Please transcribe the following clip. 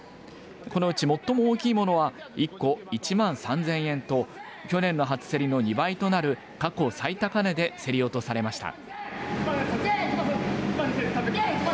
このうち最も大きいものは一個１万３０００円と去年の初競りの２倍となる過去最高値で競り落とされました。